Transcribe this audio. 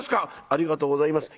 ありがとうございます。